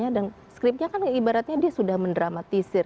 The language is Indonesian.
dan skripnya kan ibaratnya dia sudah mendramatisir